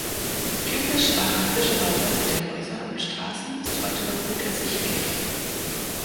Die typisch arabische Bauweise der Häuser und Straßen ist heute noch gut ersichtlich.